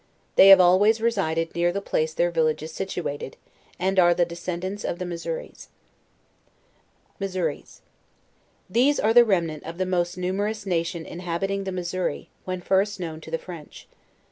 They have always resided near the place their village is sit uated, and are the descendants of the Missouris. MISSOURIS. These are the remnant of the most numer ous nation inhabiting the Missouri, when first known to the French.